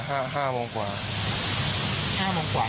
๕โมงกว่าแสดงว่าทิ้งเสื้อก่อนแล้วก็มาทิ้งมีด